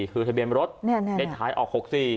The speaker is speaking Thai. คือทะเบียนรถเลขท้ายออก๖๔